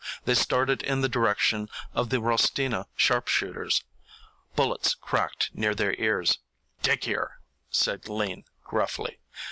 They started in the direction of the Rostina sharp shooters. Bullets cracked near their ears. "Dig here," said Lean gruffly.